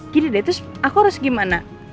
gini deh terus aku harus gimana